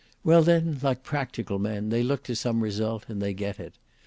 Well then like practical men, they look to some result, and they get it.